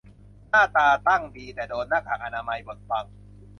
หน้าตาตั้งดี แต่โดนหน้ากากอนามัยบดบัง